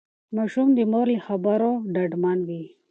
ماشوم د مور له خبرو ډاډمن وي.